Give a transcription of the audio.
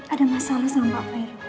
ada masalah sama mbak ferry